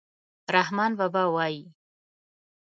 رحمان بابا وایي: